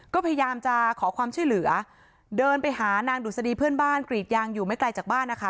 ก็พยายามจะขอความช่วยเหลือเดินไปหานางดุษฎีเพื่อนบ้านกรีดยางอยู่ไม่ไกลจากบ้านนะคะ